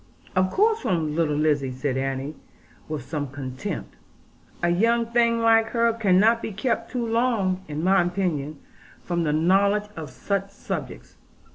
'Of course from little Lizzie,' said Annie, with some contempt; 'a young thing like her cannot be kept too long, in my opinion, from the knowledge of such subjects.